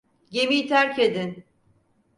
Gemiyi terk edin!